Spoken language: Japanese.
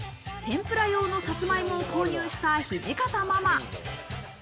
天ぷら用のサツマイモを購入した土方ママ。